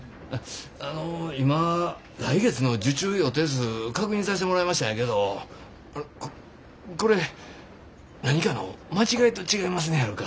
あの今来月の受注予定数確認さしてもらいましたんやけどあのここれ何かの間違いと違いますねやろか？